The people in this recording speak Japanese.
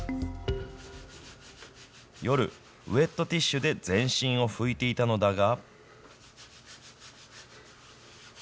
夜、ウェットティッシュで全身を拭いていたのだが。